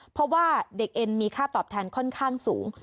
เพราะว่าเด็กเอ็นมีค่าตอบแทนค่อนข้างสูง